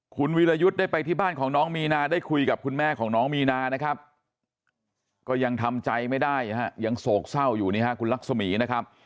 คุณวิรยุทธ์ได้ไปที่บ้านของน้องมีนาได้คุยกับคุณแม่ของน้องมีนานะครับก็ยังทำใจไม่ได้ฮะยังโศกเศร้าอยู่นี่ฮะคุณลักษมีนะครับ